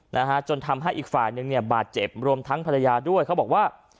นะฮะจนทำให้อีกฝ่ายนึงเนี่ยบาดเจ็บรวมทั้งภรรยาด้วยเขาบอกว่า